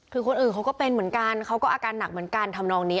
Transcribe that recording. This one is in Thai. คือคนอื่นเขาก็เป็นเหมือนกันเขาก็อาการหนักเหมือนกันทำนองนี้